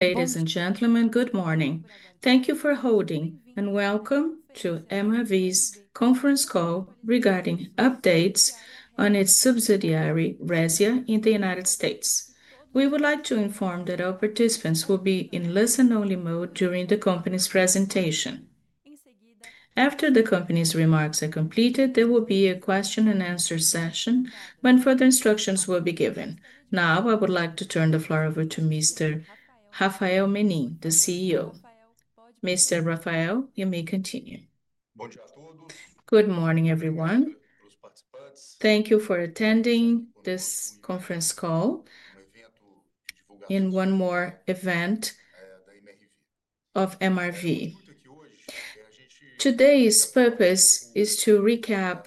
Ladies and gentlemen, good morning. Thank you for holding and welcome to MRV's conference call regarding updates on its subsidiary Resia in the United States. We would like to inform that all participants will be in listen-only mode during the company's presentation. After the company's remarks are completed, there will be a question and answer session when further instructions will be given. Now I would like to turn the floor over to Mr. Rafael Menin, the CEO. Mr. Rafael, you may continue. Good morning everyone. Thank you for attending this conference call. In one more event of MRV. Today's purpose is to recap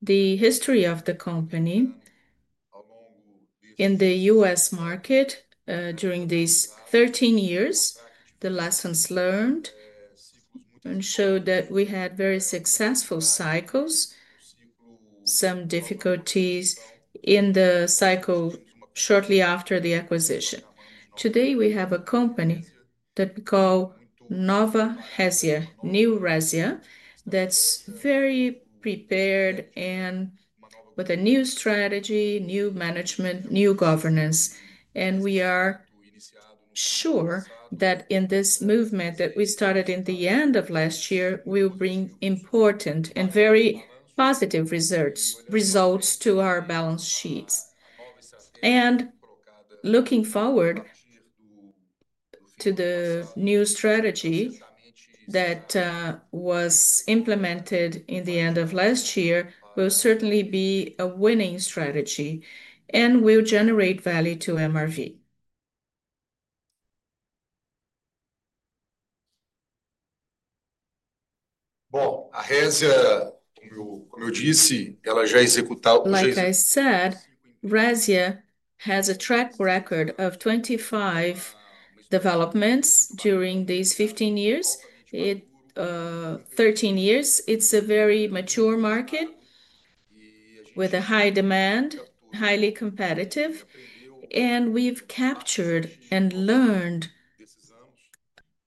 the history of the company in the U.S. market during these 13 years, the lessons learned, and showed that we had very successful cycles, some difficulties in the cycle shortly after the acquisition. Today we have a company that we call Nova Resia, New Resia, that's very prepared and with a new strategy, new management, new governance. We are sure that this movement that we started at the end of last year will bring important and very positive results to our balance sheets. Looking forward to the new strategy that was implemented at the end of last year, it will certainly be a winning strategy and will generate value to MRV. Like I said, Resia has a track record of 25 developments during these 13 years. It's a very mature market with a high demand, highly competitive, and we've captured and learned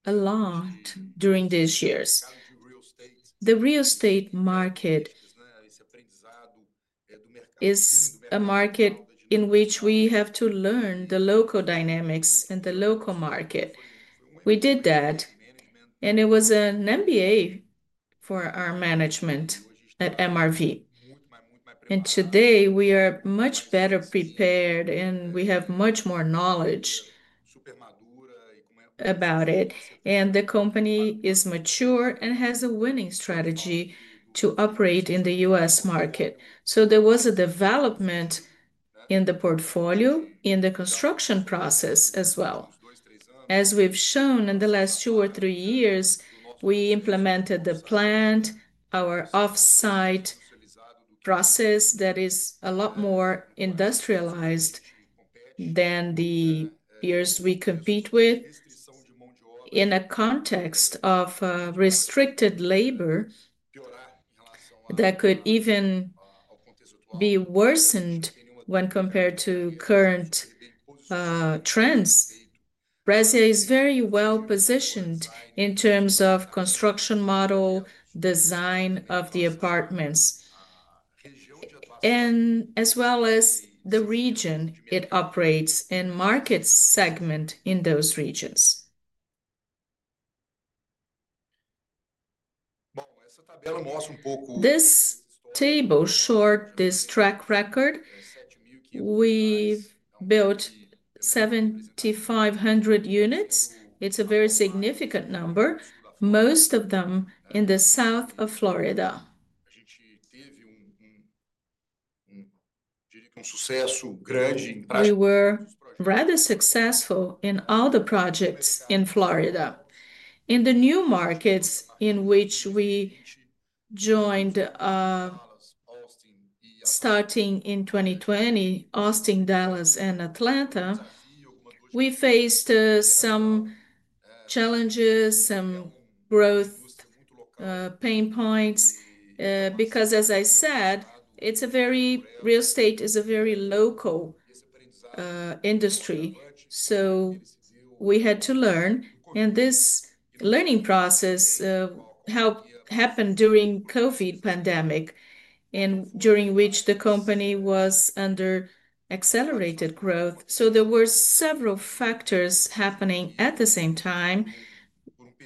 a lot during these years. The real estate market is a market in which we have to learn the local dynamics and the local market. We did that and it was an MBA for our management at MRV. Today we are much better prepared and we have much more knowledge about it. The company is mature and has a winning strategy to operate in the U.S. market. There was a development in the portfolio, in the construction process as well. As we've shown in the last two or three years, we implemented the plant, our off-site process that is a lot more industrialized than the peers we compete with in a context of restricted labor that could even be worsened when compared to current trends. Brazil is very well positioned in terms of construction model, design of the apartments, as well as the region it operates and market segment in those regions. This table shows this track record. We've built 7,500 units. It's a very significant number, most of them in South Florida. We were rather successful in all the projects in Florida. In the new markets in which we joined starting in 2020, Austin, Dallas, and Atlanta, we faced some challenges, some growth pain points because as I said, real estate is a very local industry, so we had to learn. This learning process happened during the COVID pandemic, during which the company was under accelerated growth. There were several factors happening at the same time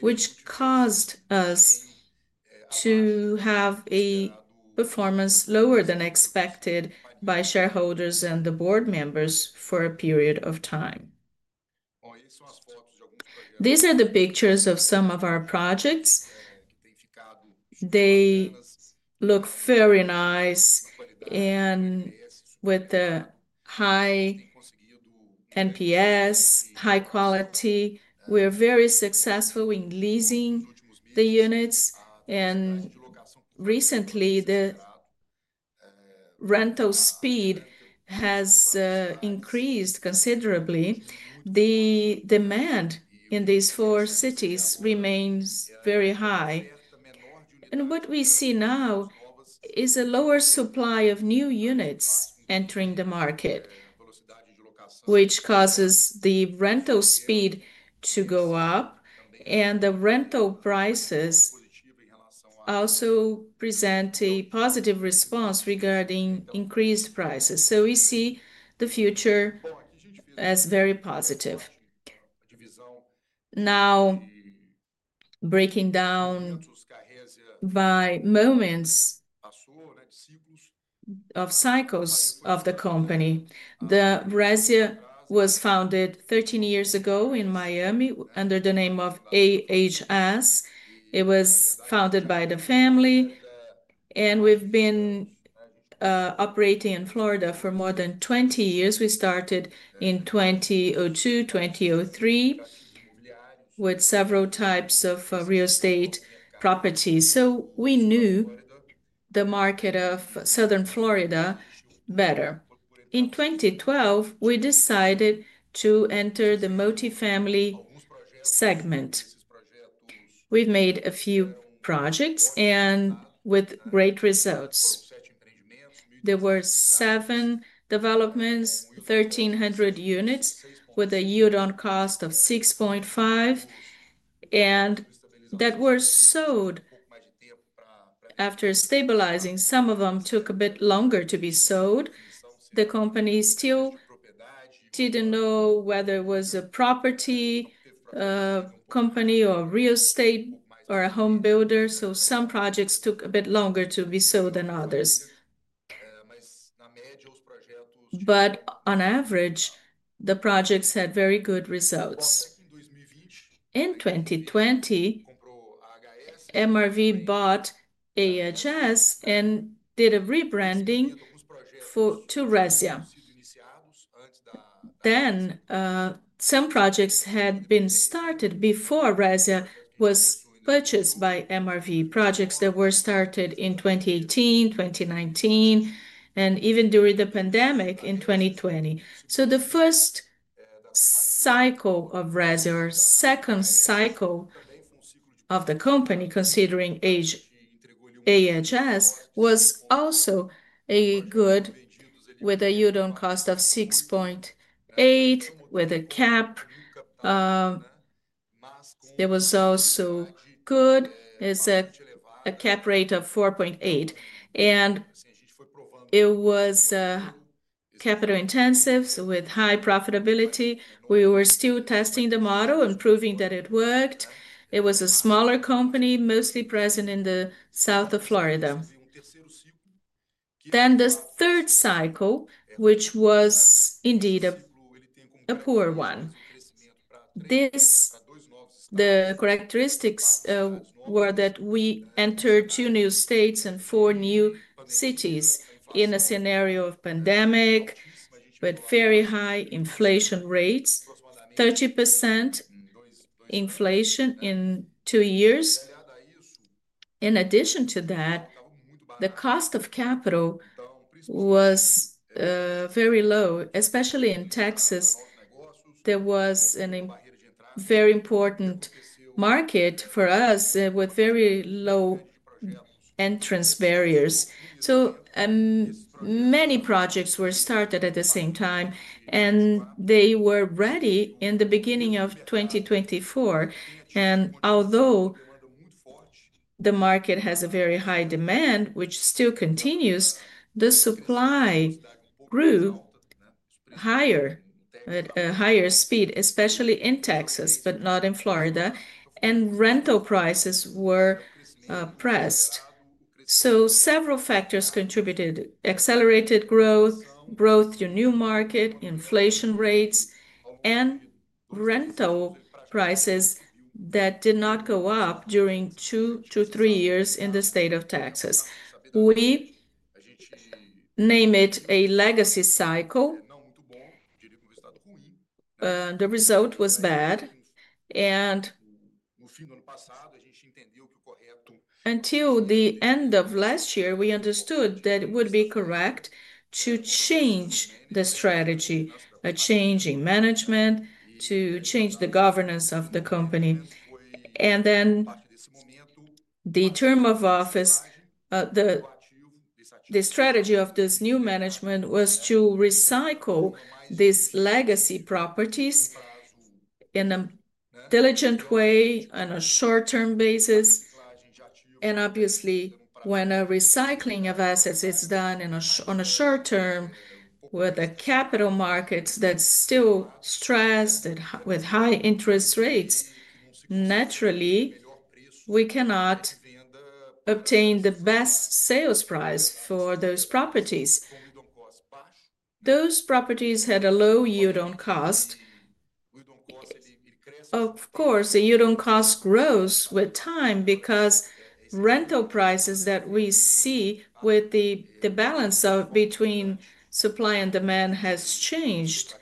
which caused us to have a performance lower than expected by shareholders and the board members for a period of time. These are the pictures of some of our projects. They look very nice. With the high NPS, high quality, we are very successful in leasing the units. Recently, the rental speed has increased considerably. The demand in these four cities remains very high. What we see now is a lower supply of new units entering the market, which causes the rental speed to go up. The rental prices also present a positive response regarding increased prices. We see the future as very positive now, breaking down by moments of cycles of the company. Resia was founded 13 years ago in Miami under the name of AHS. It was founded by the family and we've been operating in Florida for more than 20 years. We started in 2002, 2003 with several types of real estate properties. We knew the market of South Florida better. In 2012, we decided to enter the multifamily segment. We've made a few projects and with great results. There were seven developments, 1,300 units with a yield on cost of 6.5% and that were sold after stabilizing. Some of them took a bit longer to be sold. The company still didn't know whether it was a property company or real estate or a home builder. Some projects took a bit longer to be sold than others. On average, the projects had very good results. In 2020, MRV bought AHS and did a rebranding to Resia. Some projects had been started before Resia was purchased by MRV projects that were started in 2018, 2019, and even during the pandemic in 2020. The first cycle of Resia, second cycle of the company, considering AHS, was also good with a yield on cost of 6.8% with a cap. It was also good, a cap rate of 4.8%, and it was capital intensive with high profitability. We were still testing the model and proving that it worked. It was a smaller company, mostly present in South Florida. The third cycle, which was indeed a poor one. The characteristics were that we entered two new states and four new cities in a scenario of pandemic with very high inflation rates, 30% inflation in two years. In addition to that, the cost of capital was very low, especially in Texas. There was a very important market for us with very low entrance barriers. Many projects were started at the same time and they were ready in the beginning of 2024. Although the market has a very high demand, which still continues, the supply grew higher at a higher speed, especially in Texas, but not in Florida. Rental prices were pressed. Several factors contributed: accelerated growth, growth to new market inflation rates, and rental prices that did not go up during two to three years in the state of Texas. We name it a legacy cycle. The result was bad. Until the end of last year, we understood that it would be correct to change the strategy, a change in management to change the governance of the company and then the term of office. The strategy of this new management was to recycle these legacy properties in a diligent way on a short-term basis. Obviously, when a recycling of assets is done on a short term, with the capital markets that's still stressed with high interest rates, naturally we cannot obtain the best sales price for those properties. Those properties had a low yield on cost. Of course, the yield on cost grows with time because rental prices that we see with the balance between supply and demand has changed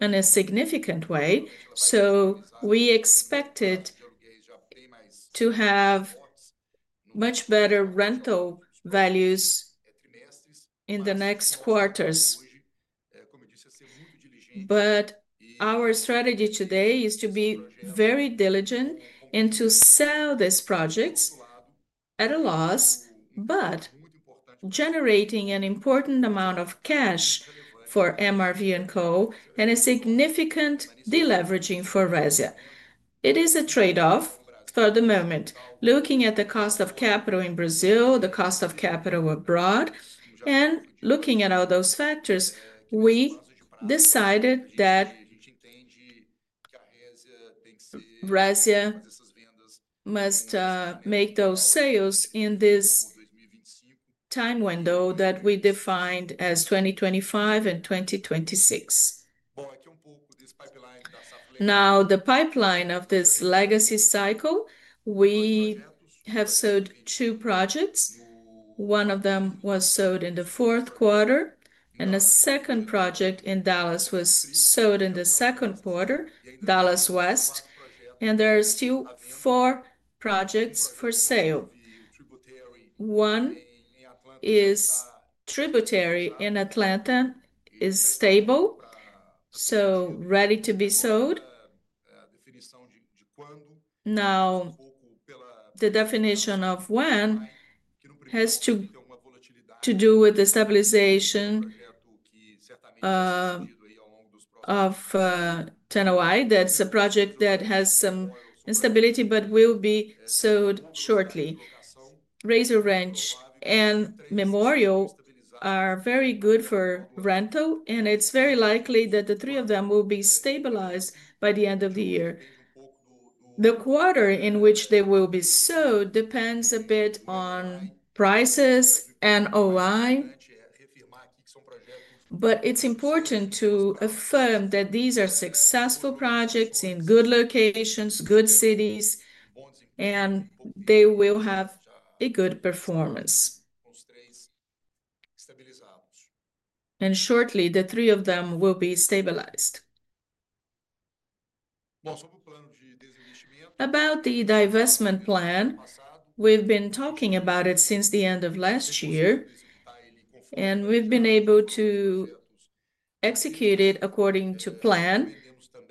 in a significant way. We expected to have much better rental values in the next quarters. Our strategy today is to be very diligent and to sell these projects at a loss, but generating an important amount of cash for MRV&CO and a significant deleveraging for Resia. It is a trade-off for the moment. Looking at the cost of capital in Brazil, the cost of capital abroad, and looking at all those factors, we decided that Resia must make those sales in this time window that we defined as 2025 and 2026. Now, the pipeline of this legacy cycle, we have sold two projects. One of them was sold in the fourth quarter and the second project in Dallas was sold in the second quarter, Dallas West. There are still four projects for sale. One is Tributary in Atlanta, is stable, so ready to be sold. The definition of when has to do with the stabilization of NOI. That's a project that has some instability, but will be sold shortly. Rayzor Ranch and Memorial are very good for rental. It's very likely that the three of them will be stabilized by the end of the year. The quarter in which they will be sold depends a bit on prices and oi. It's important to affirm that these are successful projects in good locations, good cities, and they will have a good performance. Shortly the three of them will be stabilized. About the divestment plan, we've been talking about it since the end of last year and we've been able to execute it according to plan.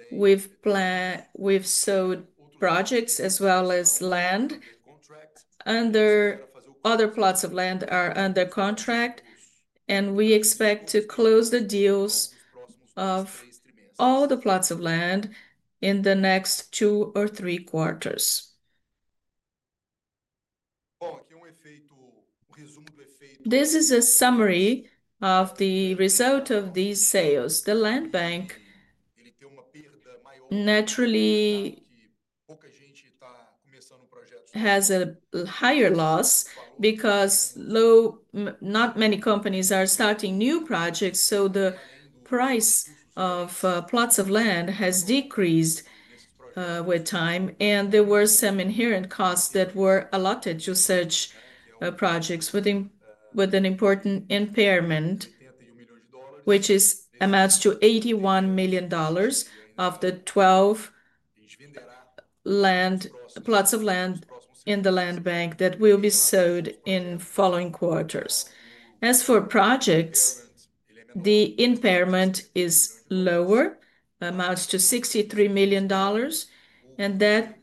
We've sold projects as well as land, and other plots of land are under contract. We expect to close the deals of all the plots of land in the next two or three quarters. This is a summary of the result of these sales. The land bank naturally has a higher loss because low. Not many companies are starting new projects, so the price of plots of land has decreased with time. There were some inherent costs that were allotted to such projects with an important impairment which amounts to $81 million of the 12 land plots of land in the land bank that will be sold in following quarters. As for projects, the impairment is lower, amounts to $63 million. That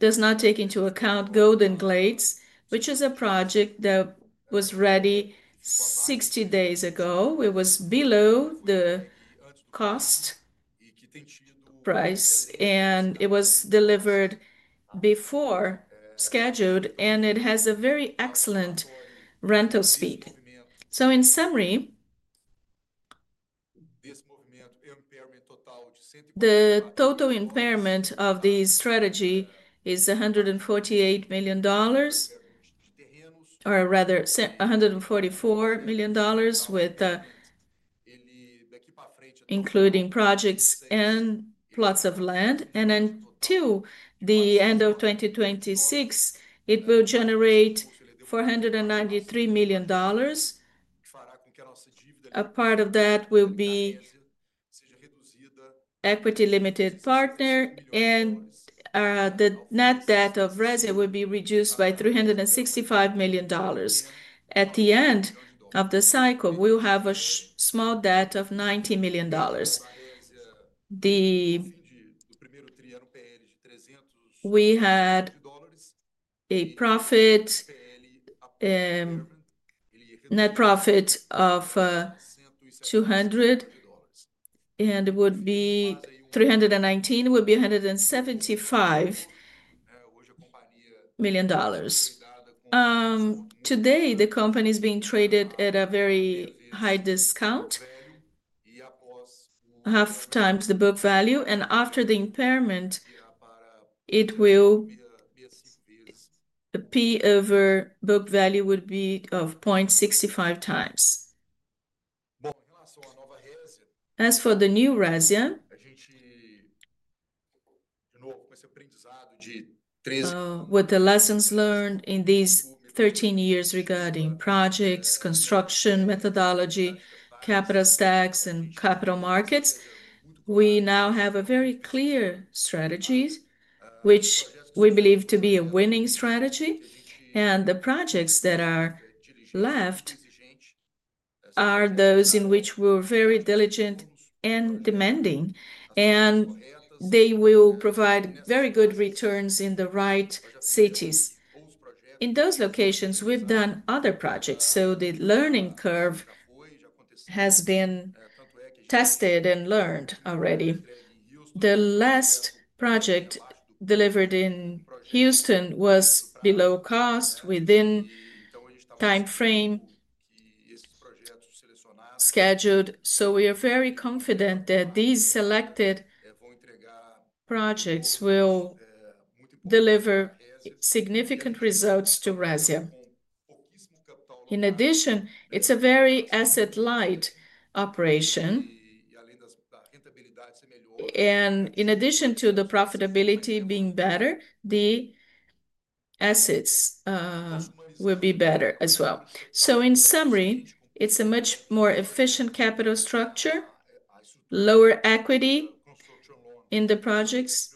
does not take into account Golden Glades, which is a project that was ready 60 days ago. It was below the cost price and it was delivered before scheduled. It has a very excellent rental speed. In summary, the total impairment of the strategy is $148 million or rather $144 million with including projects and plots of land. Until the end of 2026 it will generate $493 million. A part of that will be Equity Limited Partner and the net debt of resident will be reduced by $365 million. At the end of the cycle we'll have a small debt of $90 million. We had a profit net profit of 200 and would be 319 would be $175 million. Today the company is being traded at a very high discount, half times the book value. After the impairment it will p over book value would be of 0.65x. As for New Resia, with the lessons learned in these 13 years regarding projects, construction methodology, capital stacks and capital markets, we now have a very clear strategy which we believe to be a winning strategy. The projects that are left are those in which we're very diligent and demanding and they will provide very good returns in the right cities. In those locations we've done other projects. The learning curve has been tested and learned already. The last project delivered in Houston was below cost within the time frame scheduled. We are very confident that these selected projects will deliver significant results to Resia. In addition, it's a very asset-light operation. In addition to the profitability being better, the assets will be better as well. In summary, it's a much more efficient capital structure. Lower equity in the projects,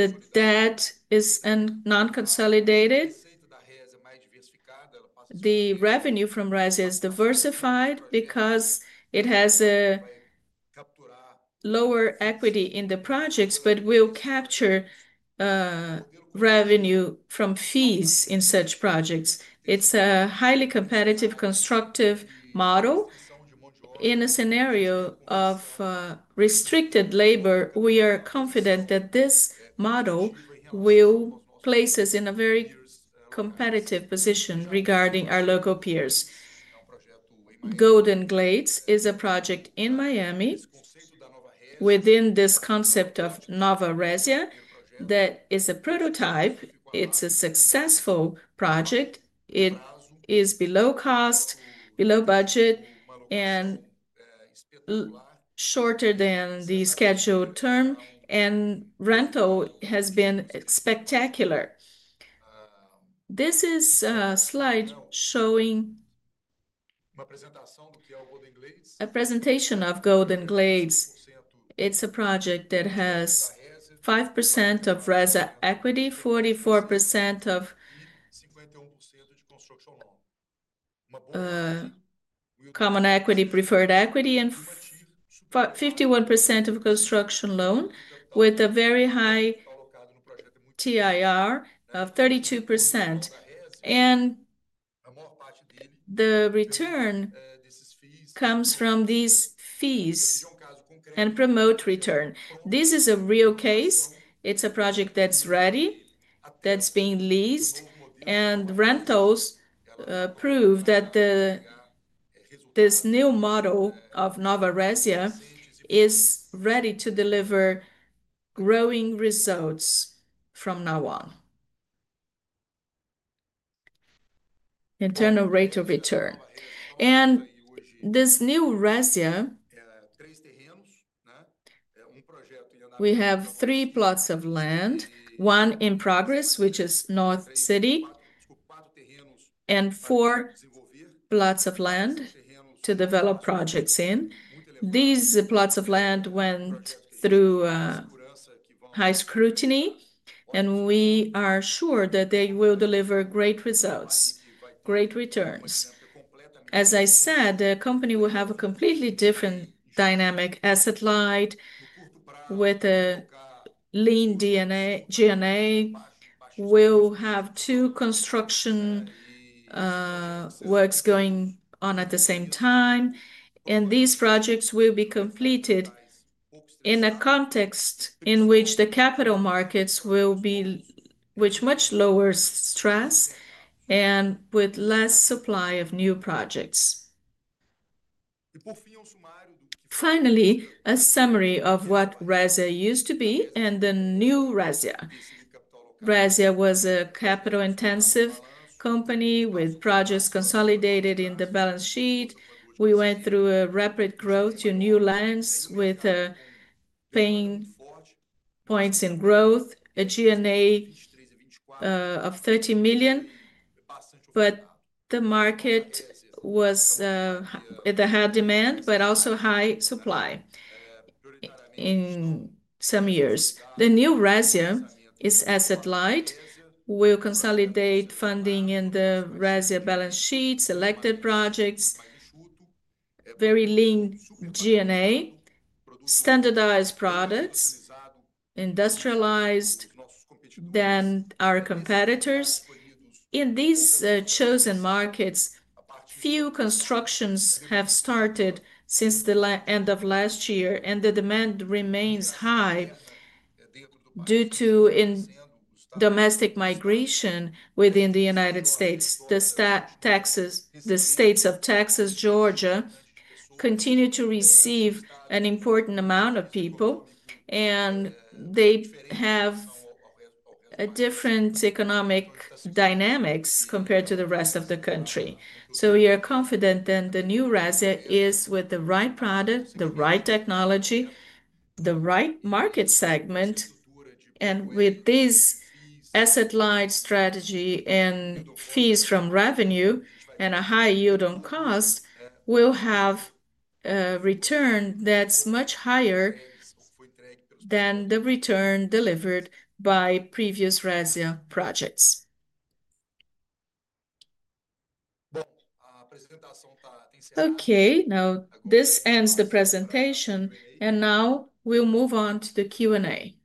the debt is non-consolidated. The revenue from Resia is diversified because it has a lower equity in the projects, but will capture revenue from fees in such projects. It's a highly competitive, constructive model in a scenario of restricted labor. We are confident that this model will place us in a very competitive position regarding our local peers. Golden Glades is a project in Miami within this concept of Nova Resia that is a prototype. It's a successful project. It is below cost, below budget, and shorter than the scheduled term. Rental has been spectacular. This is a slide showing a presentation of Golden Glades. It's a project that has 5% of Resia equity, 44% of common equity, preferred equity, and 51% of construction loan with a very high TIR of 32%. The return comes from these fees and promote return. This is a real case. It's a project that's ready, that's being leased and rentals prove that this new model of Nova Resia is ready to deliver growing results from now on internal rate of return and this New Resia. We have three plots of land, one in progress, which is North City, and four plots of land to develop. Projects in these plots of land went through high scrutiny and we are sure that they will deliver great results, great returns. As I said, the company will have a completely different dynamic. Asset-light with a lean G&A will have two construction works going on at the same time. These projects will be completed in a context in which the capital markets will be with much lower stress and with less supply of new projects. Finally, a summary of what Resia used to be and the New Resia. Resia was a capital-intensive company with projects consolidated in the balance sheet. We went through a rapid growth to new lands with points in growth, a G&A of $30 million. The market was at high demand, but also high supply. In some years, the New Resia is asset-light, will consolidate funding in the Resia balance sheet. Selected projects, very lean G&A, standardized products, industrialized than our competitors in these chosen markets. Few constructions have started since the end of last year, and the demand remains high due to domestic migration. Within the United States, the states of Texas and Georgia continue to receive an important amount of people. They have a different economic dynamics compared to the rest of the country. We are confident that the New Resia is with the right product, the right technology, the right market segment. With this asset-light strategy and fees from revenue and a high yield on cost, it will have a return that's much higher than the return delivered by previous Resia projects. This ends the presentation, and now we'll move on to the Q&A.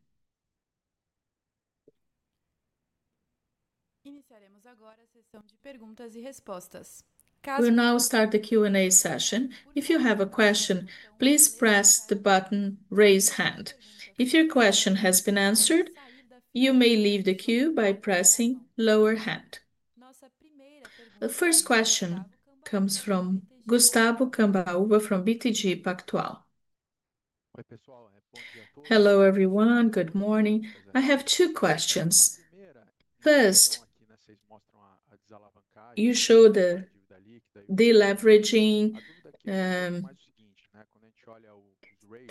We will now start the Q&A session. If you have a question, please press the button raise hand. If your question has been answered, you may leave the queue by pressing lower hand. The first question comes from Gustavo Cambauva from BTG Pactual. Hello everyone. Good morning. I have two questions. First, you show the deleveraging, the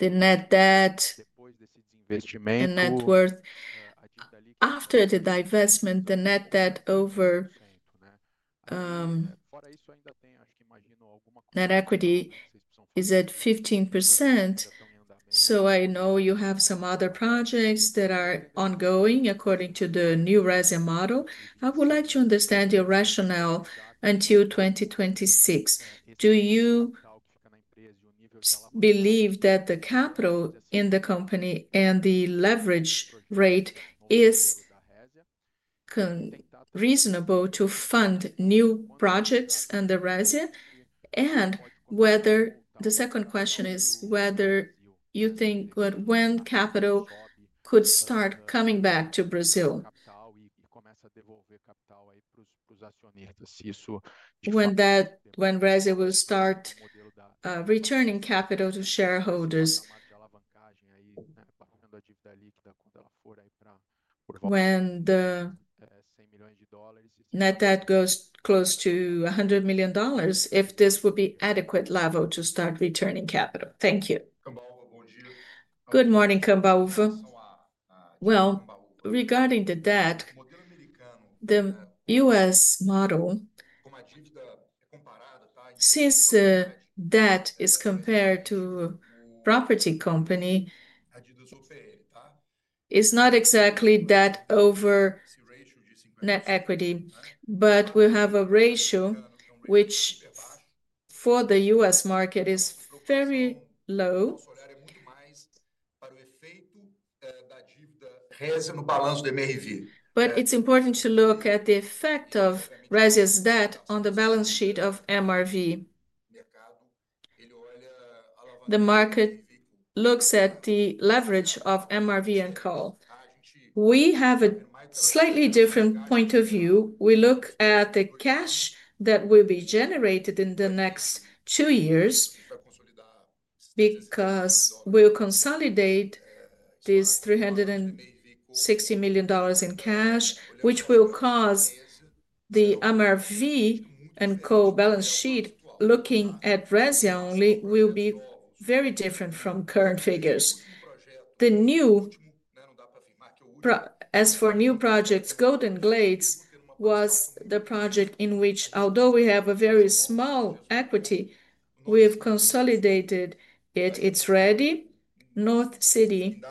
net debt, the net worth after the divestment. The net debt over net equity is at 15%. I know you have some other projects that are ongoing according to the New Resia model. I would like to understand your rationale. Until 2026, do you believe that the capital in the company and the leverage rate is reasonable to fund new projects under Resia? The second question is whether you think when capital could start coming back to Brazil, when Resia will start returning capital to shareholders, when the net debt goes close to $100 million. If this would be an adequate level to start returning capital. Thank you. Good morning, Cambauva. Regarding the debt, the U.S. model, since debt is compared to property company, is not exactly debt over net equity. We have a ratio which for the U.S. market is very low. It's important to look at the effect of Resia's debt on the balance sheet of MRV. The market looks at the leverage of MRV&CO. We have a slightly different point of view. We look at the cash that will be generated in the next two years because we'll consolidate these $360 million in cash, which will cause the MRV&CO balance sheet, looking at Resia only, to be very different from current figures. As for new projects, Golden Glades was the project in which, although we have a very small equity, we have consolidated it. It's ready. North City,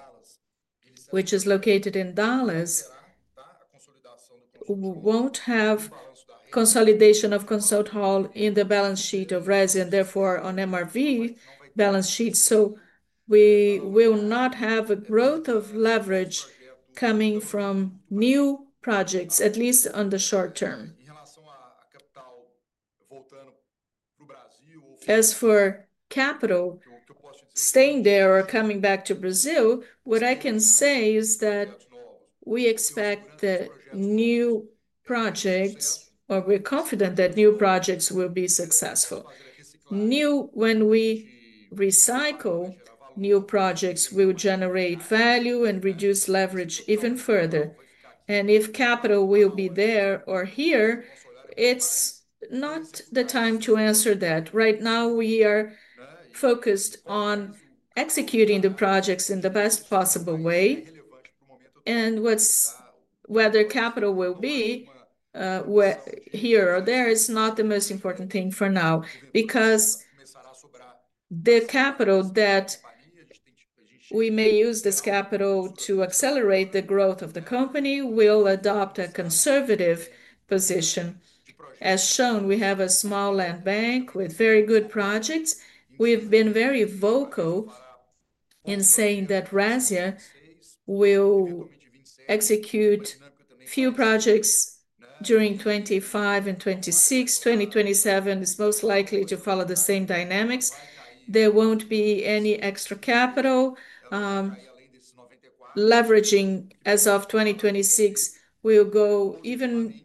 which is located in Dallas, won't have consolidation of consort hall in the balance sheet of Resia and therefore on MRV balance sheet. We will not have a growth of leverage coming from new projects, at least in the short term. As for capital staying there or coming back to Brazil, what I can say is that we expect that new projects, or we're confident that new projects, will be successful. When we recycle, new projects will generate value and reduce leverage even further. If capital will be there or here, it's not the time to answer that. Right now, we are focused on executing the projects in the best possible way. Whether capital will be here or there is not the most important thing for now because the capital that we may use, this capital to accelerate the growth of the company, we will adopt a conservative position. As shown, we have a small land bank with very good projects. We've been very vocal in saying that Resia will execute few projects during 2025 and 2026. 2027 is most likely to follow the same dynamics. There won't be any extra capital. Leveraging as of 2026 will go even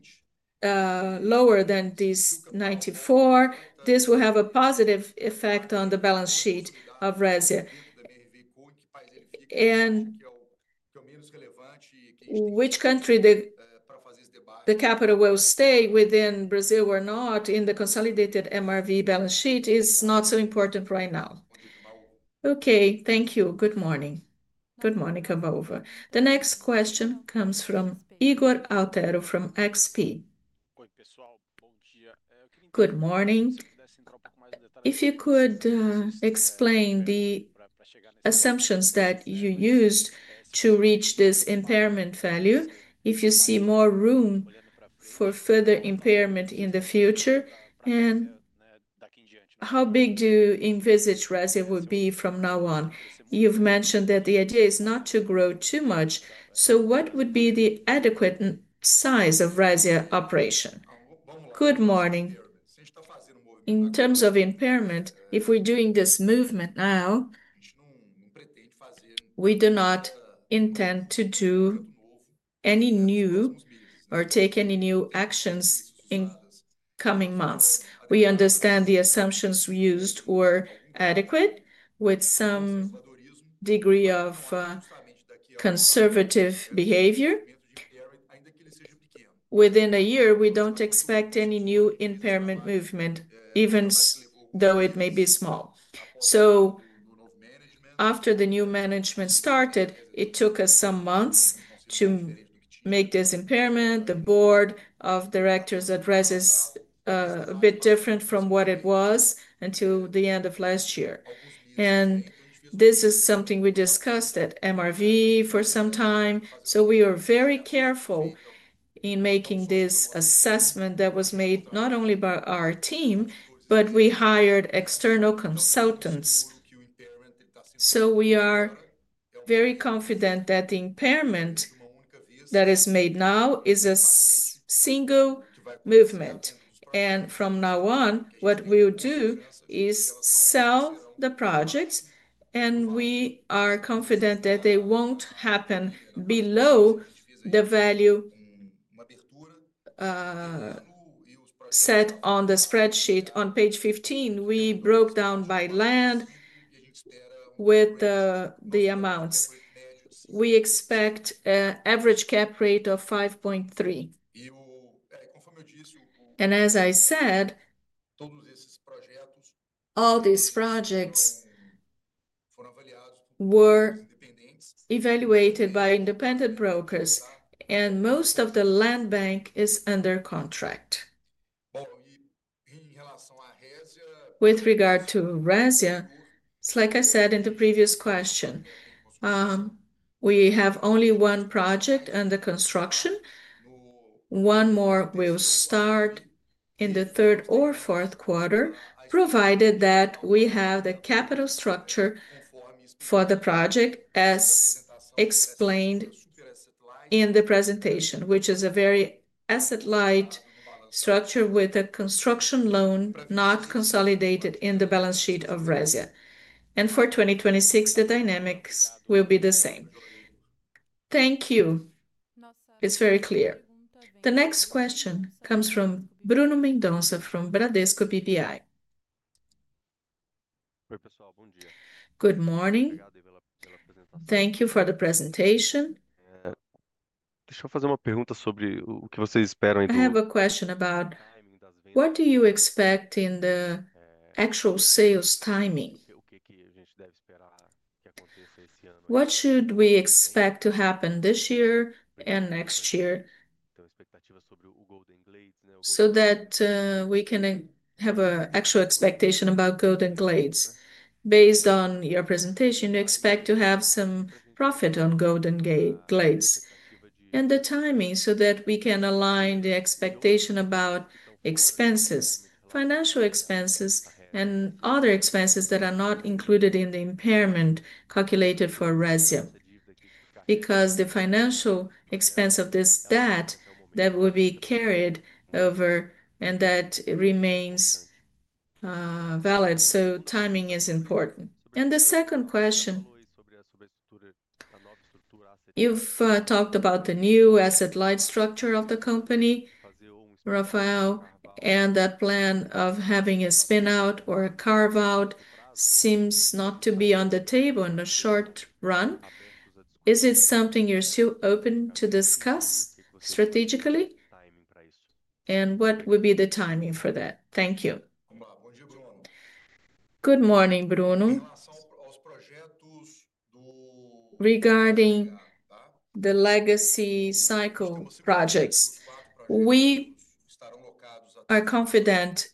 lower than this, 94. This will have a positive effect on the balance sheet of Resia, and which country the capital will stay within, Brazil or not, in the consolidated MRV balance sheet, is not so important right now. Okay, thank you. Good morning. Good morning. The next question comes from Ygor Altero from XP. Good morning. If you could explain the assumptions that you used to reach this impairment value, if you see more room for further impairment in the future, and how big do you envisage Resia would be from now on. You've mentioned that the idea is not to grow too much, so what would be the adequate size of Resia operation? Good morning. In terms of impairment, if we're doing this movement now, we do not intend to do any new or take any new actions in coming months. We understand the assumptions used were adequate with some degree of conservative behavior. Within a year, we don't expect any new impairment movement, even though it may be small. After the new management started, it took us some months to make this impairment. The board of directors' address is a bit different from what it was until the end of last year, and this is something we discussed at MRV for some time. We were very careful in making this assessment that was made not only by our team, but we hired external consultants. We are very confident that the impairment that is made now is a single movement. From now on, what we will do is sell the projects, and we are confident that they won't happen below the value set on the spreadsheet on page 15. We broke down by land with the amounts we expect, average cap rate of 5.3%. As I said, all these projects were evaluated by independent brokers, and most of the land bank is under contract. With regard to Resia, like I said in the previous question, we have only one project under construction. One more will start in the third or fourth quarter, provided that we have the capital structure for the project as explained in the presentation, which is a very asset-light structure with a construction loan not consolidated in the balance sheet of Resia. For 2026, the dynamics will be the same. Thank you. It's very clear. The next question comes from Bruno Mendonça from Bradesco BBI. Good morning. Thank you for the presentation. I have a question about what do you expect in the actual sales timing. What should we expect to happen this year and next year so that we can have an actual expectation about Golden Glades. Based on your presentation, you expect to have some profit on Golden Glades and the timing so that we can align the expectation about expenses, financial expenses, and other expenses that are not included in the impairment calculated for Resia because the financial expense of this debt that will be carried over and that remains valid. Timing is important. The second question, you've talked about the new asset-light structure of the company, Rafael, and that plan of having a spin-out or a carve-out seems not to be on the table in the short run. Is it something you're still open to discuss strategically? What would be the timing for that? Thank you. Good morning, Bruno. Regarding the legacy cycle projects, we are confident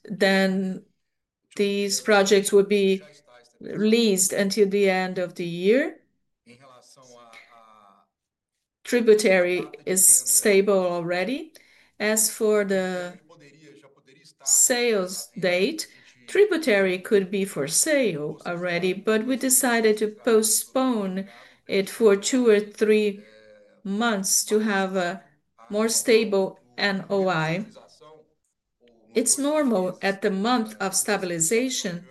these projects will be released until the end of the year. Tributary is stable already. As for the sales date, Tributary could be for sale already, but we decided to postpone it for two or three months to have a more stable NOI. It's normal at the month of stabilization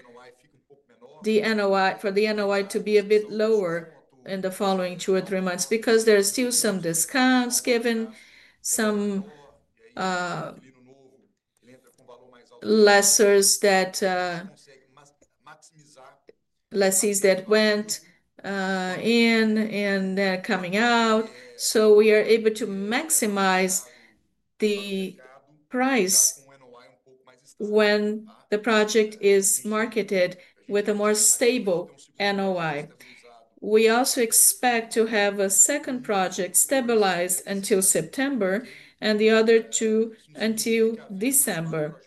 for the NOI to be a bit lower in the following two or three months because there's still some discounts given, some lessees that went in and coming out. We are able to maximize the price when the project is marketed with a more stable NOI. We also expect to have a second project stabilized until September and the other two until December.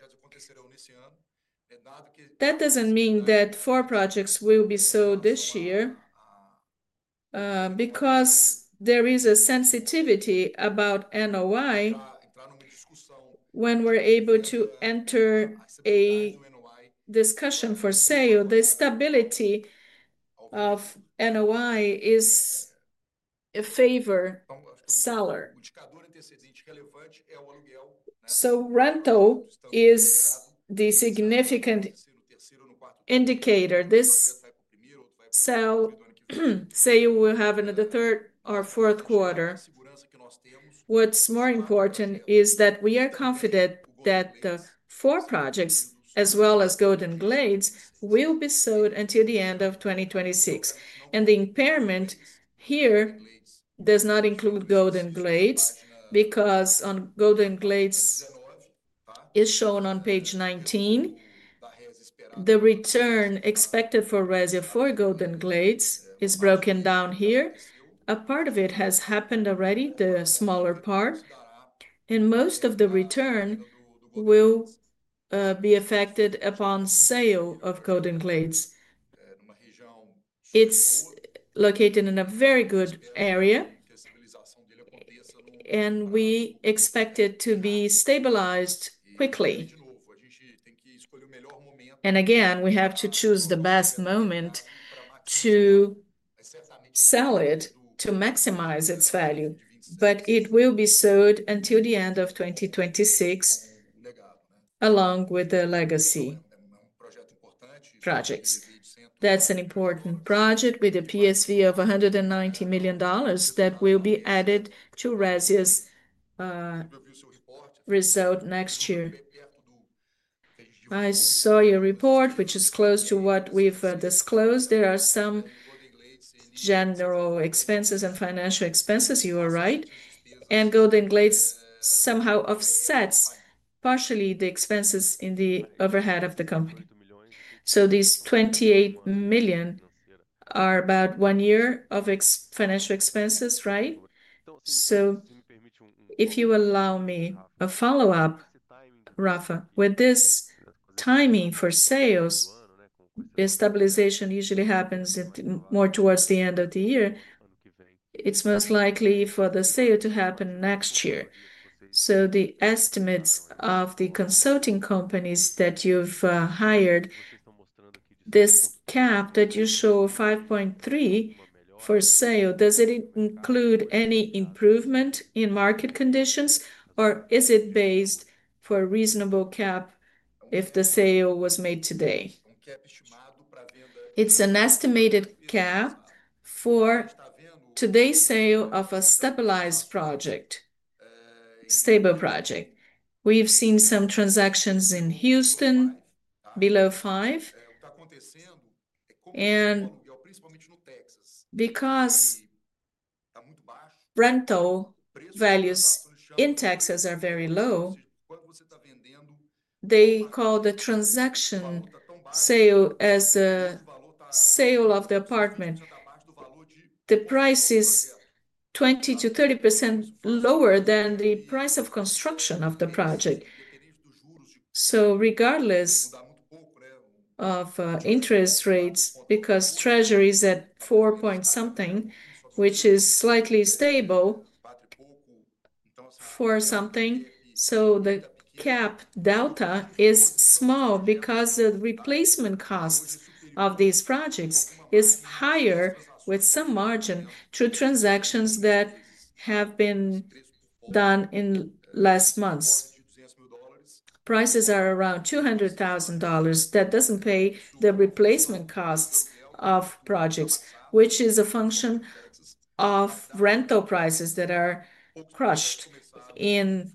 That doesn't mean that four projects will be sold this year because there is a sensitivity about NOI when we're able to enter a discussion for sale. The stability of NOI is a favorite seller, so rental is the significant indicator this sell. Say you will have another third or fourth quarter. What's more important is that we are confident that the four projects as well as Golden Glades will be sold until the end of 2026. The impairment here does not include Golden Glades because Golden Glades is shown on page 19. The return expected for Resia for Golden Glades is broken down here. A part of it has happened already, the smaller part, and most of the return will be affected upon sale of Golden Glades. It's located in a very good area and we expect it to be stabilized quickly. We have to choose the best moment to sell it to maximize its value. It will be sold until the end of 2026 along with the legacy projects. That's an important project with a PSV of $190 million that will be added to Resia's result next year. I saw your report, which is close to what we've disclosed. There are some general expenses and financial expenses. You are right. Golden Glades somehow offsets partially the expenses in the overhead of the company. These $28 million are about one year of financial expenses. If you allow me a follow up, Rafa, with this timing for sales, destabilization usually happens more towards the end of the year. It's most likely for the sale to happen next year. The estimates of the consulting companies that you've hired, this cap that you show 5.3 for sale, does it include any improvement in market conditions or is it based for a reasonable cap if the sale was made today? It's an estimated cap for today's sale of a stabilized project, stable project. We've seen some transactions in Houston below 5. Because rental values in Texas are very low, they call the transaction sale. As a sale of the apartment, the price is 20%-30% lower than the price of construction of the project. Regardless of interest rates, because treasury is at four point something which is slightly stable for something. The cap delta is small because the replacement costs of these projects is higher with some margin through transactions that have been done in last months, prices are around $200,000. That doesn't pay the replacement costs of product projects, which is a function of rental prices that are crushed in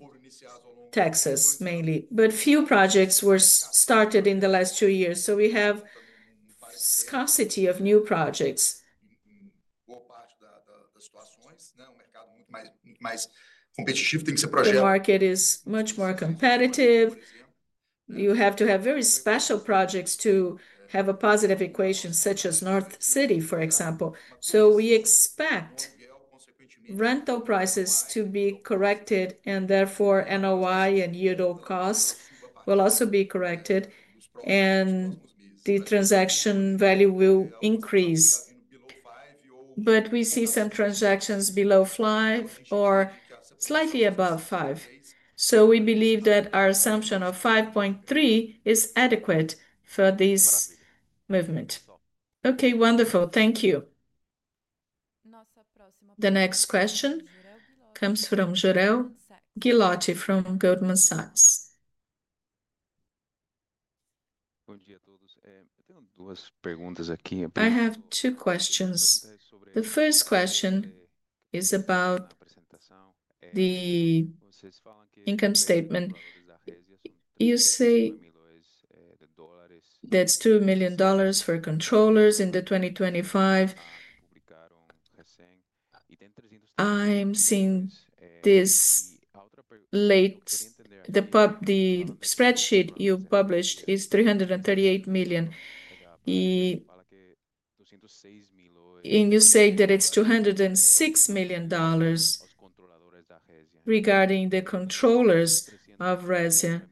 Texas mainly. Few projects were started in the last two years. We have scarcity of new projects. Market is much more competitive. You have to have very special projects to have a positive equation, such as North City for example. We expect rental prices to be corrected and therefore NOI and yield costs will also be corrected and the transaction value will increase. We see some transactions below 5 or slightly above 5. We believe that our assumption of 5.3 is adequate for this movement. Okay, wonderful. Thank you. The next question comes from Jorel Guilloty from Goldman Sachs. I have two questions. The first question is about the income statement. You say that's $2 million for controllers in 2025. I'm seeing this late. The spreadsheet you've published is $338 million and you say that it's $206 million. Regarding the controllers of Resia,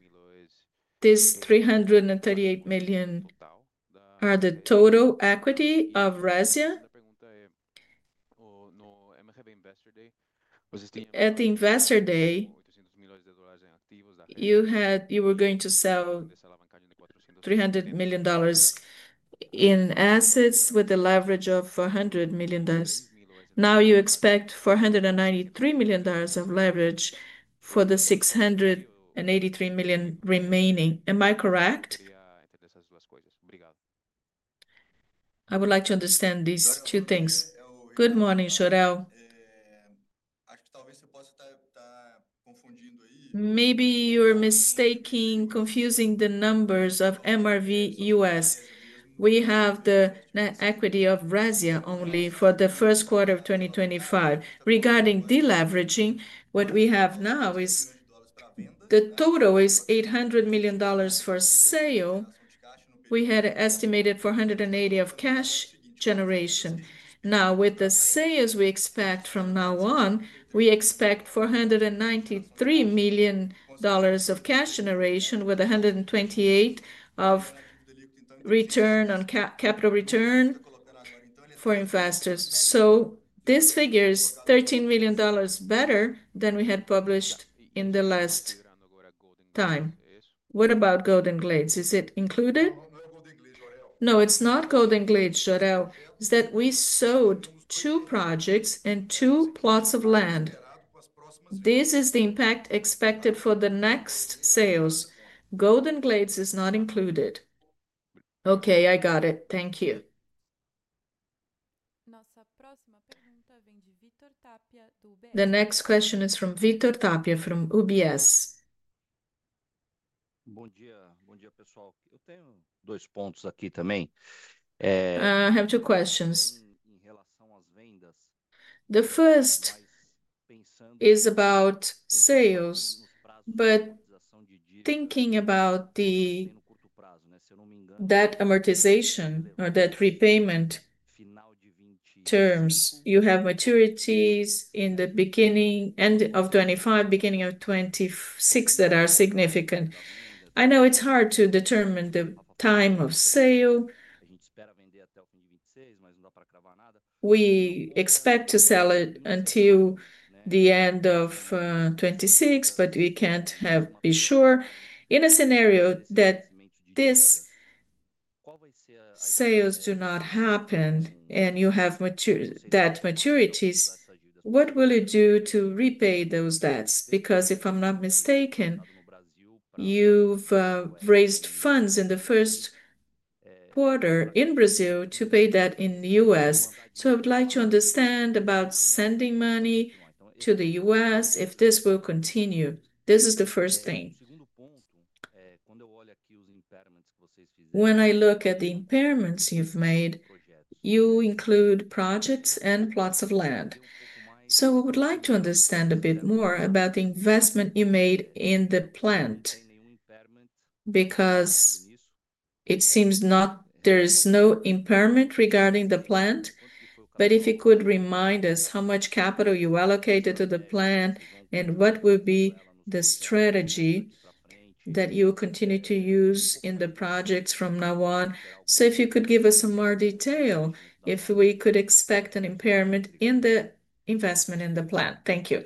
this $338 million are the total equity of Resia. At the investor day you had, you were going to sell $300 million in assets with a leverage of $400 million. Now you expect $493 million of leverage for the $683 million remaining. Am I correct? I would like to understand these two things. Good morning, Jorel. Maybe you're mistaken, confusing the numbers of MRV U.S. We have the net equity of Resia only for the first quarter of 2025. Regarding deleveraging, what we have now is the total is $800 million for sale. We had estimated $480 million of cash generation. Now, with the sales we expect from now on we expect $493 million of cash generation with $128 million of return on capital return for investors. This figure is $13 million better than we had published in the last time. What about Golden Glades? Is it included? No, it's not Golden Glades. It's that we sold two projects and two plots of land. This is the impact expected for the next sales. Golden Glades is not included. Okay, I got it. Thank you. The next question is from Victor Tapia from UBS. I have two questions. The first is about sales, but thinking about the debt amortization or debt repayment terms. You have maturities in the beginning and end of 2025, beginning of 2026 that are significant. I know it's hard to determine the time of sale. We expect to sell it until the end of 2026, but we can't be sure. In a scenario that these sales do not happen and you have debt maturities, what will you do to repay those debts? Because if I'm not mistaken, you've raised funds first in Brazil to pay that in the U.S. I would like to understand about sending money to the U.S., if this will continue. This is the first thing. When I look at the impairments you've made, you include projects and plots of land. We would like to understand a bit more about the investment you made in the plant, because it seems there is no impairment regarding the plant. If you could remind us how much capital you allocated to the plant and what would be the strategy that you continue to use in the projects from now on. If you could give us some more detail, if we could expect an impairment in the investment in the plant. Thank you.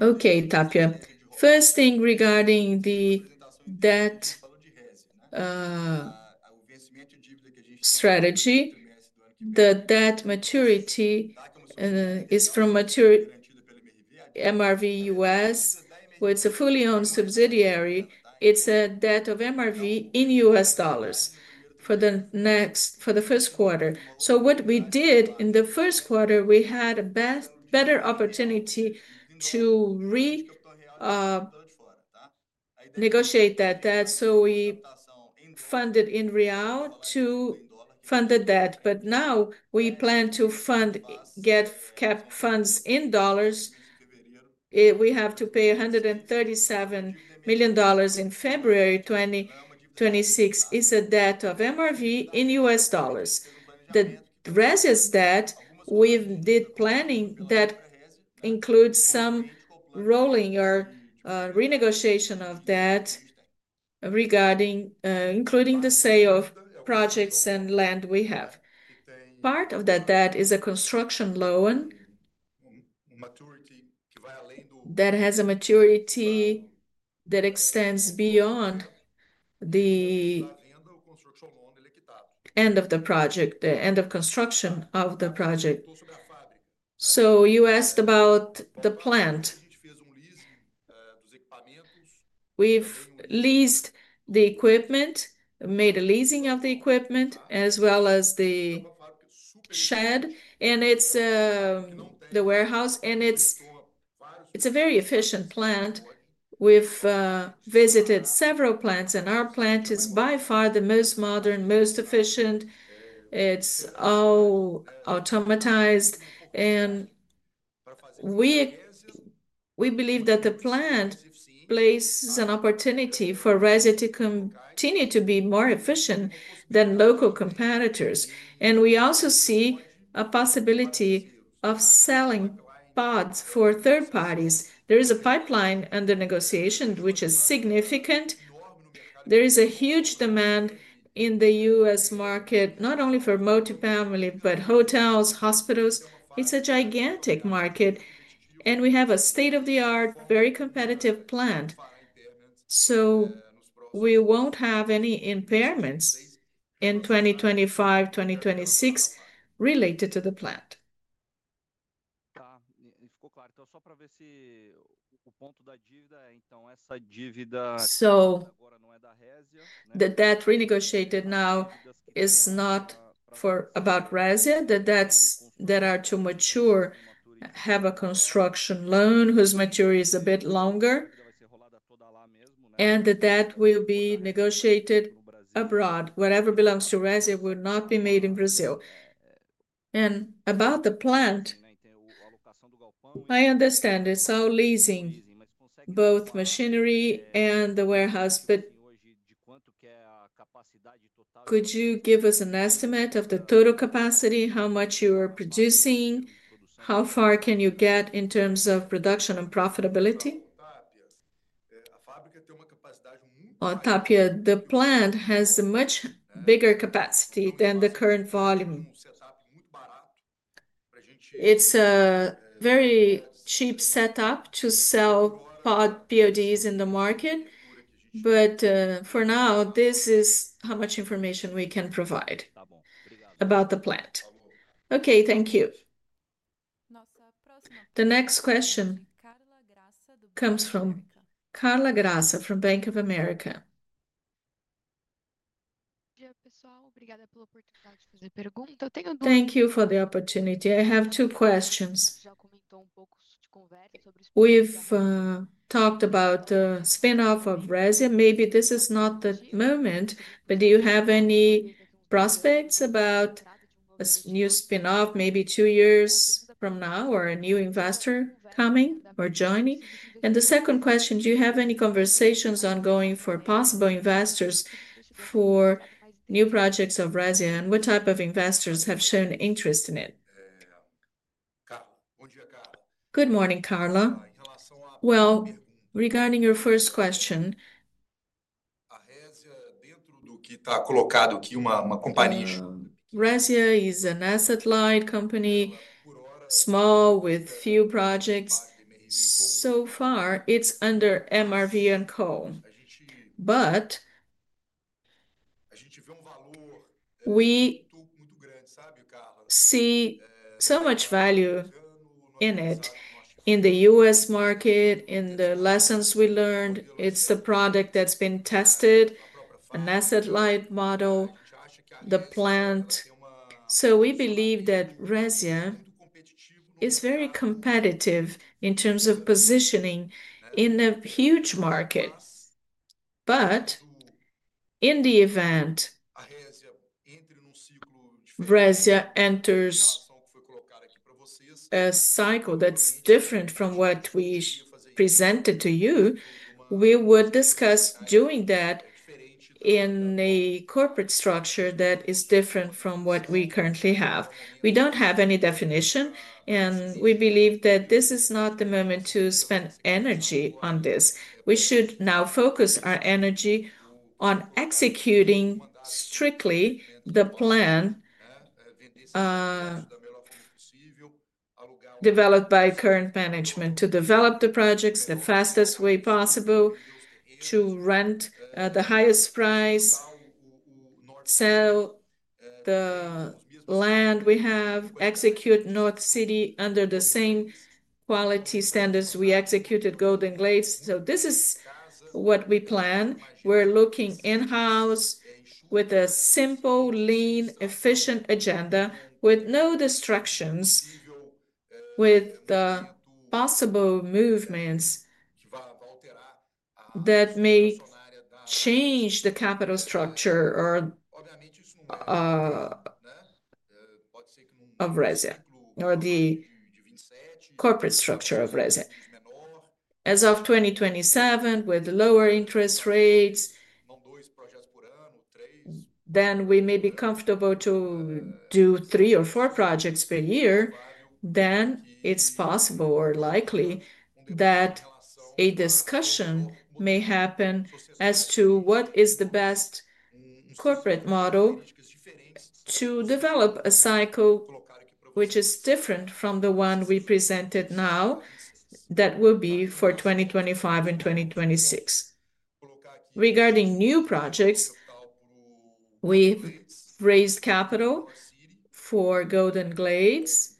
Okay, Tapia, first thing regarding the debt strategy. The debt maturity is from mature MRV U.S., where it's a fully owned subsidiary. It's a debt of MRV in U.S. dollars for the first quarter. What we did in the first quarter, we had a better opportunity to renegotiate that debt. We funded in real to fund the debt. Now we plan to get funds in dollars. We have to pay $137 million in February 2026. It is a debt of MRV in U.S. dollars. The Resia debt we did planning that includes some rolling or renegotiation of debt, including the sale of projects and land. Part of that debt is a construction loan that has a maturity that extends beyond the end of the project, the end of construction of the project. You asked about the plant. We've leased the equipment, made a leasing of the equipment as well as the shed, and it's the warehouse. It's a very efficient plant. We've visited several plants and our plant is by far the most modern, most efficient. It's all automatized. We believe that the plant places an opportunity for Resia to continue to be more efficient than local competitors. We also see a possibility of selling pods for third parties. There is a pipeline under negotiation which is significant. There is a huge demand in the U.S. market, not only for multifamily, but hotels, hospitals. It's a gigantic market. We have a state-of-the-art, very competitive plant. We won't have any impairments in 2025, 2026 related to the plant. The debt renegotiated now is not for about Resia. The debts that are to mature have a construction loan whose maturity is a bit longer and that will be negotiated abroad. Whatever belongs to Resia will not be made in Brazil. About the plant, I understand it's all leasing, both machinery and the warehouse, but could you give us an estimate of the total capacity, how much you are producing, how far can you get in terms of production and profitability on Tapia? The plant has a much bigger capacity than the current volume. It's a very cheap setup to sell pod pods in the market. For now, this is how much information we can provide about the plant. Thank you. The next question comes from Carla Graça from Bank of America. Thank you for the opportunity. I have two questions. We've talked about the spin-off of Resia. Maybe this is not the moment, but do you have any prospects about a new spin-off maybe two years from now or a new investor coming or joining? The second question, do you have any conversations ongoing for possible investors for new projects of Resia? What type of investors have shown interest in it? Good morning, Carla. Regarding your first question, Resia is an asset-light company, small, with few projects. So far it's under MRV&CO. We see so much value in it in the U.S. market, in the lessons we learned, it's the product that's been tested, an asset-light model, the plant. We believe that Resia is very competitive in terms of positioning in a huge market. In the event Resia enters a cycle that's different from what we presented to you, we would discuss doing that in a corporate structure that is different from what we currently have. We don't have any definition and we believe that this is not the moment to spend energy on this. We should now focus our energy on executing strictly the plan developed by current management to develop the projects the fastest way possible to rent the highest price, sell the land. We have to execute North City under the same quality standards we executed Golden Glades. This is what we plan. We're looking in-house with a simple, lean, efficient agenda with no distractions with the possible movements that may change the capital structure of Resia. Corporate structure of Resia as of 2027, with lower interest rates, then we may be comfortable to do three or four projects per year. It's possible or likely that a discussion may happen as to what is the best corporate model to develop a cycle which is different from the one we presented now. That will be for 2025 and 2026. Regarding new projects, we raised capital for Golden Glades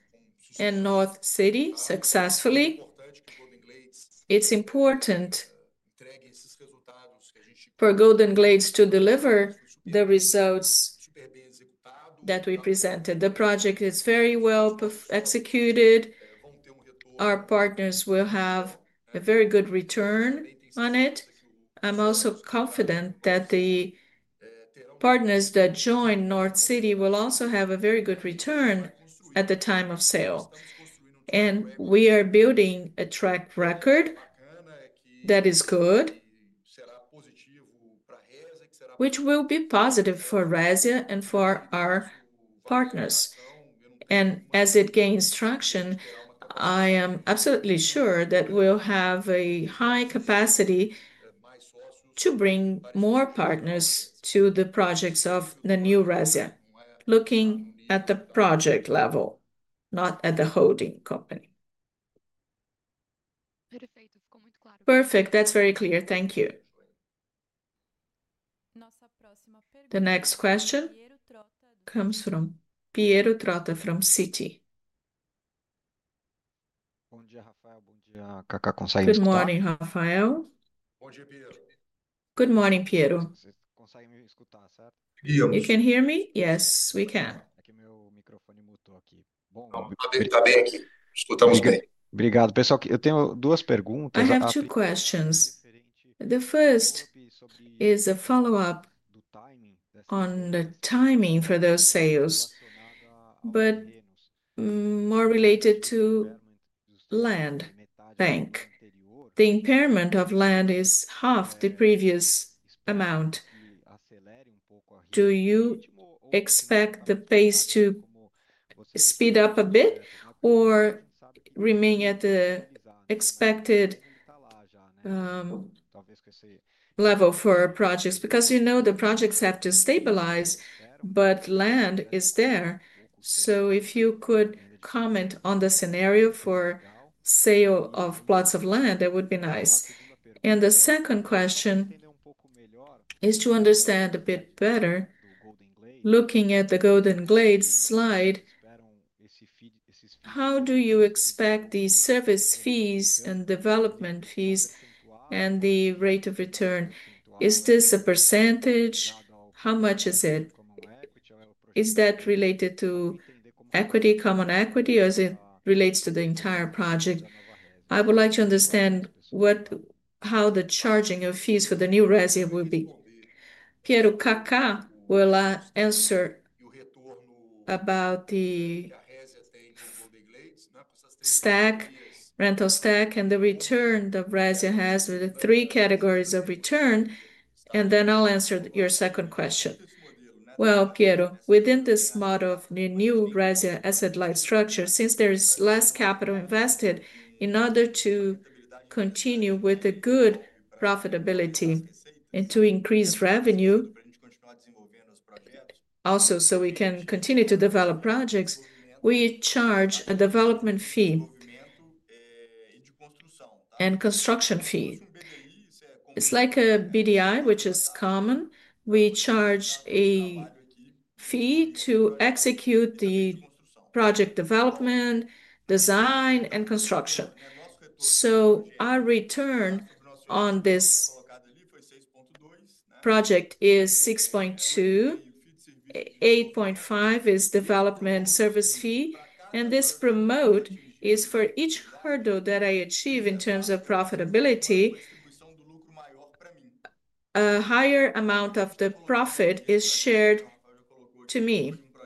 and North City successfully. It's important for Golden Glades to deliver the results that we presented. The project is very well executed. Our partners will have a very good return on it. I'm also confident that the partners that join North City will also have a very good return at the time of sale. We are building a track record that is good, which will be positive for Resia and for our partners. As it gains traction, I am absolutely sure that we'll have a high capacity to bring more partners to the projects of the New Resia. Looking at the project level, not at the holding company. Perfect. That's very clear. Thank you. The next question comes from Piero Trotta from Citi. Good morning, Rafael. Good morning, Piero. You can hear me? Yes, we can. I have two questions. The first is a follow up on the timing for those sales, but more related to land bank. The impairment of land is half the previous amount. Do you expect the pace to speed up a bit or remain at the expected level for projects? Because you know the projects have to stabilize, but land is there. If you could comment on the scenario for sale of plots of land, that would be nice. The second question is to understand a bit better, looking at the Golden Glades slide, how do you expect the service fees and development fees and the rate of return. Is this a percentage? How much is it? Is that related to equity? Common equity as it relates to the entire project. I would like to understand how the charging of fees for the New Resia will be. Piero Caca will answer about the stack, rental stack and the return that Resia has with the three categories of return. I'll answer your second question. Within this model of New Resia asset-light structure, since there is less capital invested, in order to continue with a good profitability and to increase revenue also so we can continue to develop projects, we charge a development fee and construction fee. It's like a BDI which is common. We charge a fee to execute the project, development, design and construction. Our return on this project is 6.2, 8.5 is development service fee. This promote is for each hurdle that I achieve in terms of profitability, a higher amount of the profit is shared to me,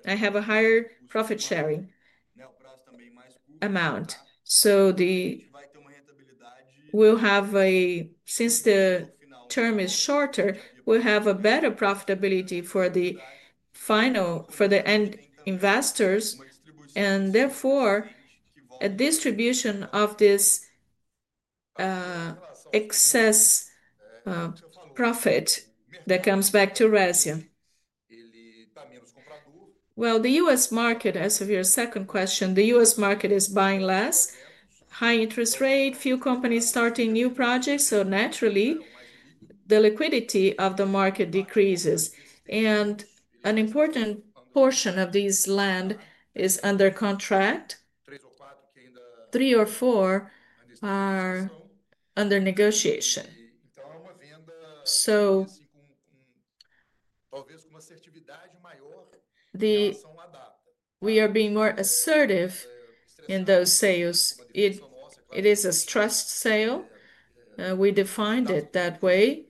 I have a higher profit sharing amount. Since the term is shorter, we have a better profitability for the final for the end investors and therefore a distribution of this excess profit that comes back to Resia. The U.S. market, as of your second question, the U.S. market is buying less, high interest rate, few companies starting new projects. Naturally, the liquidity of the market decreases. An important portion of this land is under contract. Three or four are under negotiation. We are being more assertive in those sales. It is a trust sale. We defined it that way.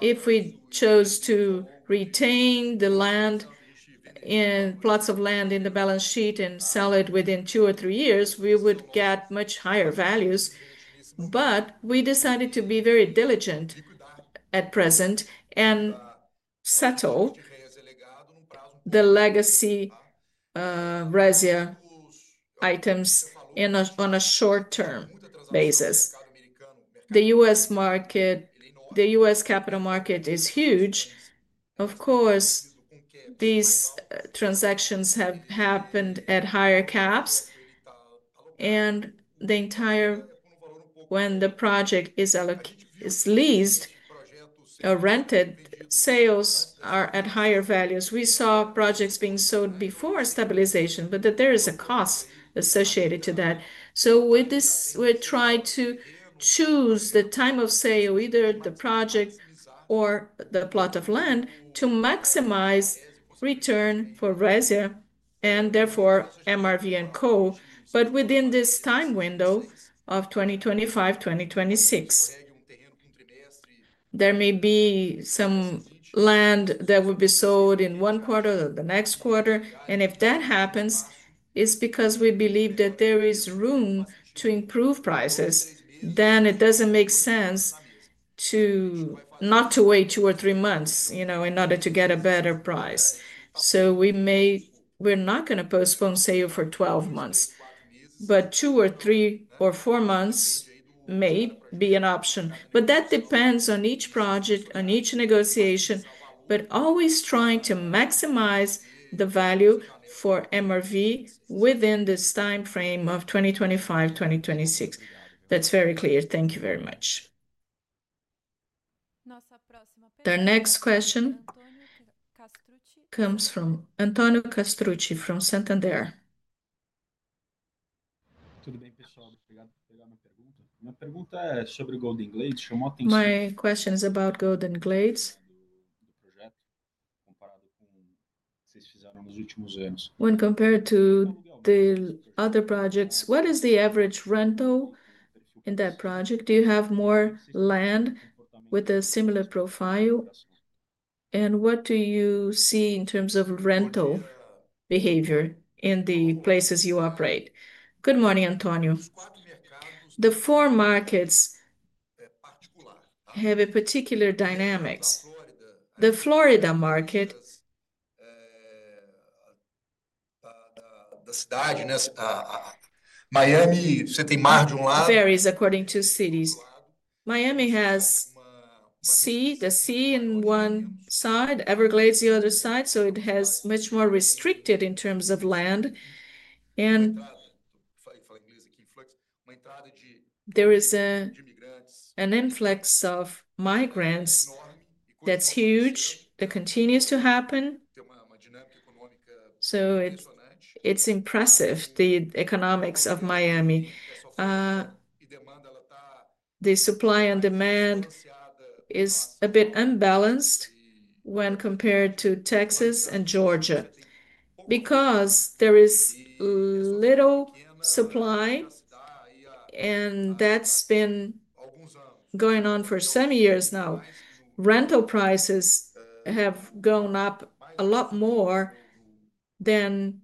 If we chose to retain the land and plots of land in the balance sheet and sell it within two or three years, we would get much higher values. We decided to be very diligent at present and settle the legacy Resia items on a short-term basis. The U.S. capital market is huge. Of course, these transactions have happened at higher caps and when the project is leased, rented sales are at higher values. We saw projects being sold before stabilization, but there is a cost associated to that. With this, we try to choose the time of sale, either the project or the plot of land, to maximize return for Resia and therefore MRV&CO. Within this time window of 2025, 2026, there may be some land that would be sold in one quarter or the next quarter. If that happens, it's because we believe that there is room to improve prices. It doesn't make sense not to wait two or three months in order to get a better price. We may. We're not going to postpone sale for 12 months, but two or three or four months may be an option. That depends on each project, on each negotiation, but always trying to maximize the value for MRV within this time frame of 2025, 2026. That's very clear. Thank you very much. The next question comes from Antonio Castrucci from Santander. My question is about Golden Glades. When compared to the other projects, what is the average rental in that project? Do you have more land with a similar profile? What do you see in terms of rental behavior in the places you operate? Good morning, Antonio. The four markets have a particular dynamics. The Florida market, this diagnosis, Miami city varies according to cities. Miami has the sea on one side, Everglades the other side. It is much more restricted in terms of land. There is an influx of migrants that's huge, that continues to happen. It's impressive. The economics of Miami, the supply and demand is a bit unbalanced when compared to Texas and Georgia because there is little supply. That's been going on for seven years now. Rental prices have gone up a lot more than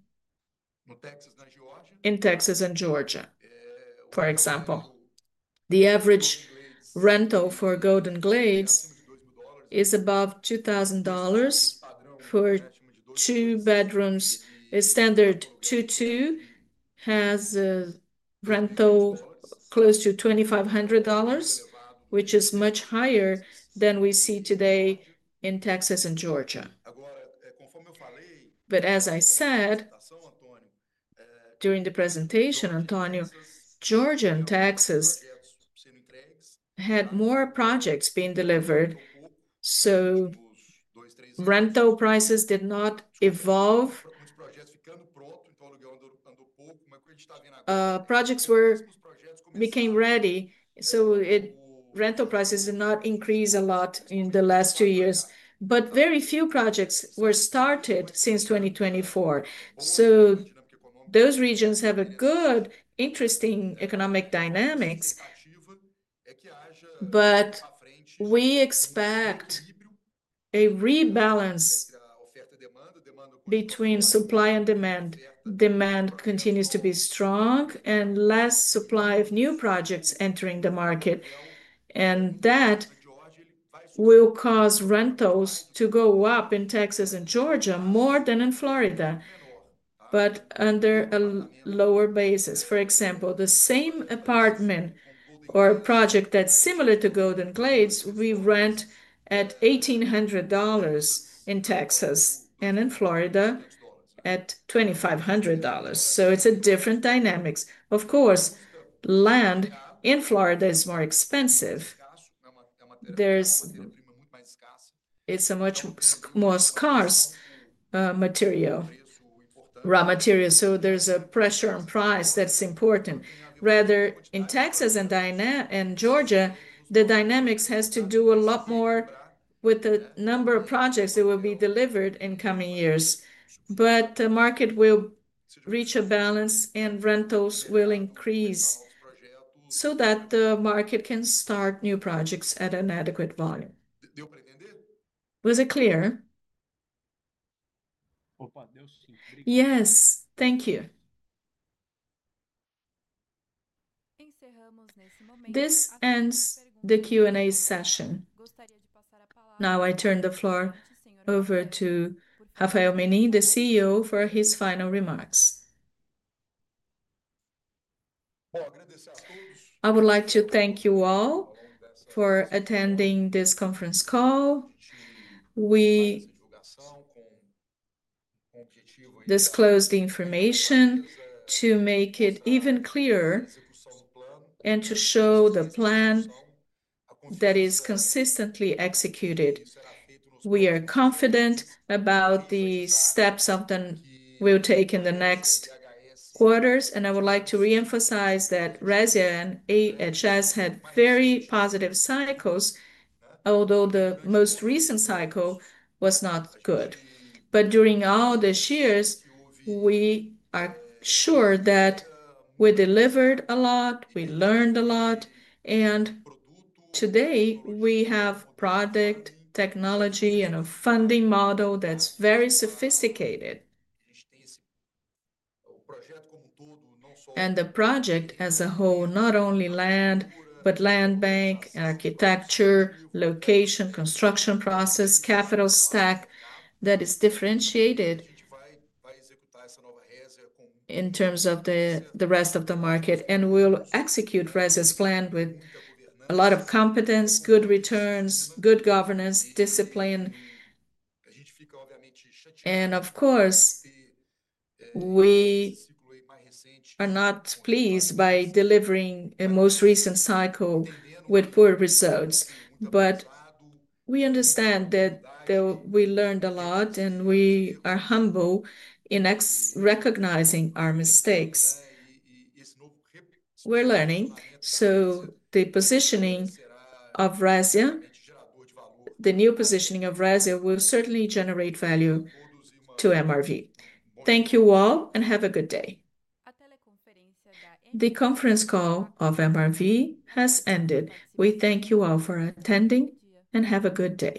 in Texas and Georgia. For example, the average rental for Golden Glades is above $2,000 for two bedrooms. A standard two-two has rental close to $2,500, which is much higher than we see today in Texas and Georgia. As I said during the presentation, Antonio, Georgia and Texas had more projects being delivered. Rental prices did not evolve. Projects became ready. Rental prices did not increase a lot in the last two years. Very few projects were started since 2024. Those regions have a good, interesting economic dynamics. We expect a rebalance between supply and demand. Demand continues to be strong and less supply of new projects entering the market. That will cause rentals to go up in Texas and Georgia more than in Florida, but under a lower basis. For example, the same apartment or a project that's similar to Golden Glades, we rent at $1,800 in Texas and in Florida at $2,500. It's a different dynamics. Of course, land in Florida is more expensive. It's a much more scarce material, raw material. There's a pressure on price. That's important. Rather, in Texas and Georgia, the dynamics has to do a lot more with the number of projects that will be delivered in coming years. The market will reach a balance and rentals will increase so that the market can start new projects at an adequate volume. Was it clear? Yes. Thank you. This ends the Q and A session. Now I turn the floor over to Rafael Menin, the CEO, for his final remarks. I would like to thank you all for attending this conference call. We disclose the information to make it even clearer and to show the plan that is consistently executed. We are confident about the steps something will take in the next quarters. I would like to reemphasize that Resia and AHS had very positive cycles. Although the most recent cycle was not good. During all these years we are sure that we delivered a lot, we learned a lot. Today we have product, technology and a funding model that's very sophisticated. The project as a whole, not only land, but land, bank architecture, location, construction process, capital stack that is differentiated in terms of the rest of the market. We'll execute Resia's plan with a lot of competence. Good returns, good governance, discipline. Of course we are not pleased by delivering a most recent cycle with poor results. We understand that we learned a lot, and we are humble in recognizing our mistakes. We're learning. The positioning of Resia, the new positioning of Resia, will certainly generate value to MRV. Thank you all and have a good day. The conference call of MRV has ended. We thank you all for attending and have a good day.